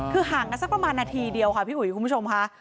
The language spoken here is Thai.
คือห่างกันสักประมาณนาทีเดียวค่ะพี่อุ๋ยคุณผู้ชมค่ะ